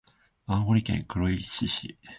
青森県黒石市